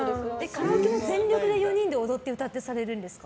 カラオケは全力で４人で歌って踊ってされるんですか？